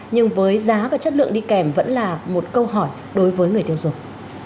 nhưng với giá và chất lượng đi kèm vẫn là một câu hỏi đối với người tiêu dùng